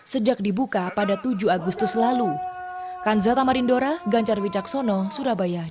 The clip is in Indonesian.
sejak dibuka pada tujuh agustus lalu